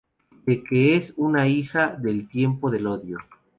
De que es una hija del Tiempo del Odio.